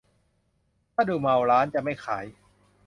ถ้าดูเมาร้านจะไม่ขาย